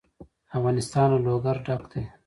افغانستان له لوگر ډک دی.